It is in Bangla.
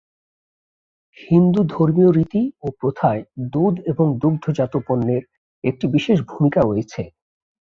হিন্দু ধর্মীয় রীতি ও প্রথায় দুধ এবং দুগ্ধজাত পণ্যের একটি বিশেষ ভূমিকা রয়েছে।